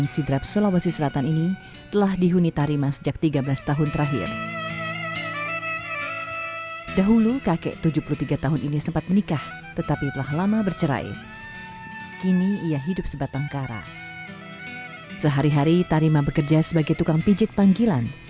sehari hari tarima bekerja sebagai tukang pijit panggilan